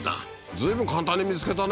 随分簡単に見つけたね